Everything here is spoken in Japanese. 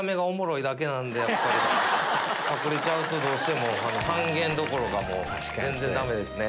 隠れちゃうとどうしても半減どころか全然ダメですね。